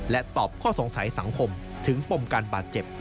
ตอบข้อสงสัยสังคมถึงปมการบาดเจ็บ